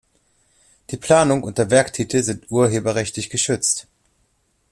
Die Planung und der Werktitel sind urheberrechtlich geschützt.